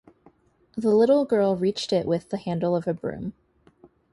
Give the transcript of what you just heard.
The little girl reached it with the handle of a broom.